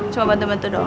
cuma bantu bantu doang